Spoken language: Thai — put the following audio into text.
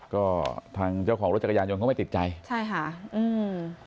ก็ทางเจ้าของรถจักรยานยนต์เขาไม่ติดใจใช่ค่ะอืม